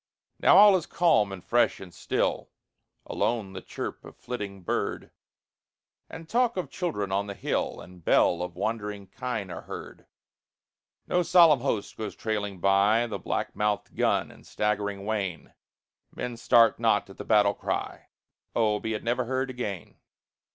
Now all is calm, and fresh, and still; Alone the chirp of flitting bird, And talk of children on the hill, And bell of wandering kine are heard. No solemn host goes trailing by The black mouthed gun and staggering wain; Men start not at the battle cry Oh, be it never heard again!